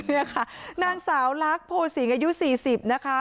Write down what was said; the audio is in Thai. นี่ค่ะนางสาวลักษณ์โพสิงอายุ๔๐นะคะ